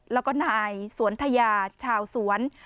แล้วก็นายสวนทยาชาวสวน